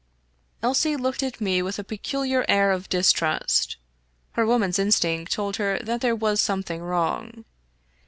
Elsie looked at me with a peculiar air of distrust. Her woman's instinct told her that there was something wrong.